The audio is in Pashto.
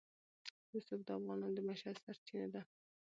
رسوب د افغانانو د معیشت سرچینه ده.